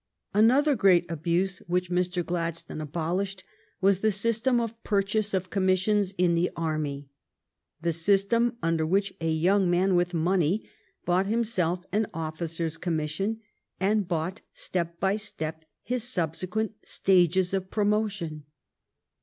Another great abuse which Mr. Gladstone abol ished was the system of purchase of commissions in the army — the system under which a young man with money bought himself an officers com mission, and bought, step by step, his subsequent stages of promotion.